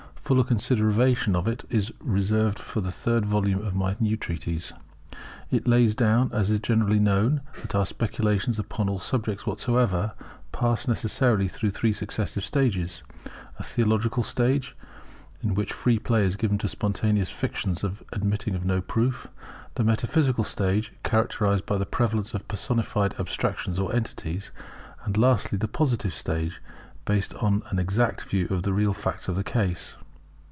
Fuller consideration of it is reserved for the third volume of my new treatise. It lays down, as is generally known, that our speculations upon all subjects whatsoever, pass necessarily through three successive stages: a Theological stage, in which free play is given to spontaneous fictions admitting of no proof; the Metaphysical stage, characterized by the prevalence of personified abstractions or entities; lastly, the Positive stage, based upon an exact view of the real facts of the case.